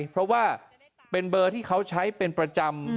เพราะว่าเป็นเบอร์ที่เขาใช้เป็นประจำ